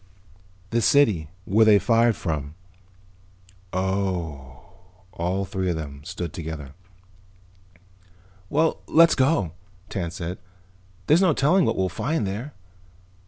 "The city. Where they fired from." "Oh." All three of them stood together. "Well, let's go," Tance said. "There's no telling what we'll find there."